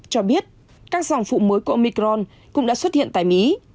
cho biết các sòng phụ mới của omicron cũng đã xuất hiện tại mỹ